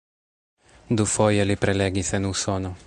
Dufoje li prelegis en Usono.